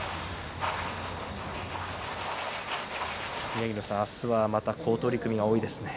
宮城野さん、明日は好取組が多いですね。